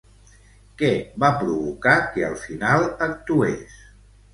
Què va provocar que al final actués?